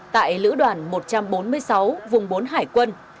tại lữ đoàn một trăm bốn mươi sáu vùng bốn hải quân